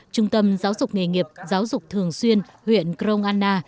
trung tâm giáo dục nghề nghiệp giáo dục thường xuyên huyện grong anna